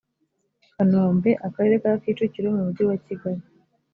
kanombe akarere ka kicukiro mu mujyi wakigali